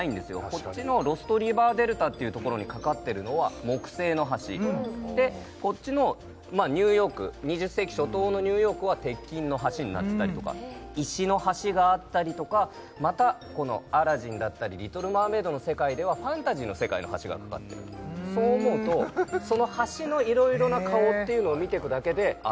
こっちのロストリバーデルタっていうところに架かってるのは木製の橋でこっちのニューヨーク２０世紀初頭のニューヨークは鉄筋の橋になってたりとか石の橋があったりとかまたこの「アラジン」だったり「リトル・マーメイド」の世界ではファンタジーの世界の橋が架かってるそう思うとその橋の色々な顔っていうのを見ていくだけでああ